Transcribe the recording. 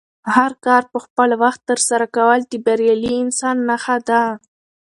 هر کار په خپل وخت ترسره کول د بریالي انسان نښه ده.